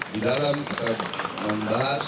di dalam kita membahas